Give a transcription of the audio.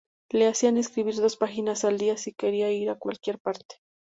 Le hacía escribir dos páginas al día si quería ir a cualquier parte.